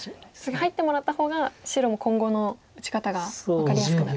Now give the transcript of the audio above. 入ってもらった方が白も今後の打ち方が分かりやすくなると。